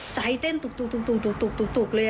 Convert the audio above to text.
ใจเต้นตุ๊กเลยอ่ะ